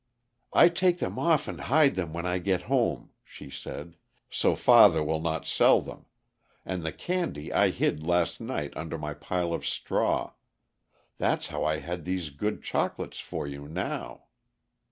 "I take them off and hide them when I get home," she said, "so father will not sell them; and the candy I hid last night under my pile of straw—that's how I had these good chocolates for you now."